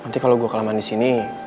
nanti kalau gue kelamaan di sini